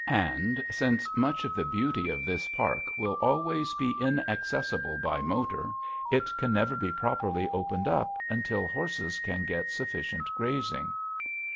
And, since much of the beauty of this park will always be inaccessible by motor, it can never be properly opened up until horses can get sufficient grazing.